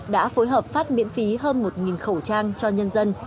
đã phối hợp phát miễn phí hơn một khẩu trang cho nhân dân